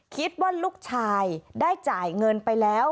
คิดว่าลูกชายได้จ่ายเงินไปแล้ว